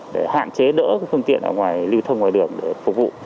để hạn chế đỡ phương tiện ở ngoài lưu thông ngoài đường để phục vụ